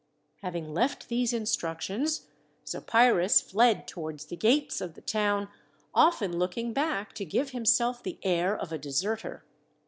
Having left these instructions, Zopyrus fled towards the gates of the town, often looking back, to give himself the air of a deserter.